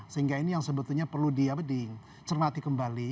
sehingga ini yang sebetulnya perlu dicermati kembali